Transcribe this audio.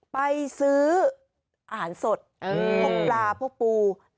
ไปซื้ออ่านสดโปะปลาพวกปู